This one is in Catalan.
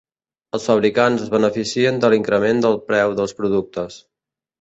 Els fabricants es beneficien de l'increment del preu dels productes.